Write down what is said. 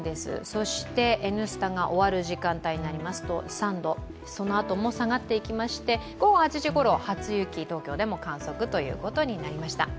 「Ｎスタ」が終わる時間帯になりますと３度、そのあとも下がっていきまして、午後８時ごろ、東京でも初雪観測ということになりました。